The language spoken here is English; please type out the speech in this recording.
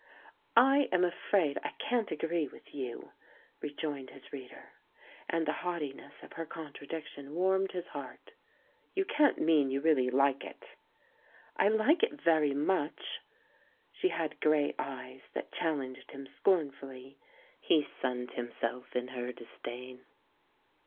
"I am afraid I can't agree with you," rejoined his reader; and the haughtiness of her contradic tion warmed his heart. "You can't mean you really hke it?" "I hke it very much." She had grey eyes that challenged him scornfully; he sunned himself in her disdain.